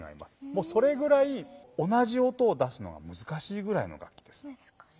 もうそれくらい同じ音を出すのがむずかしいくらいの楽器です。